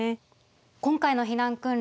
今回の避難訓練